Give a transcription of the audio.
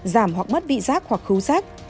giảm hoặc mất vị giác hoặc khú giác